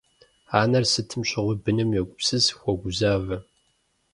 Анэр сытым щыгъуи быным йогупсыс, хуогузавэ.